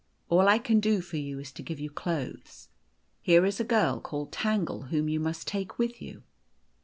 All I can do for you is to give you clothes. Here is a girl called Tangle, whom you must take with you."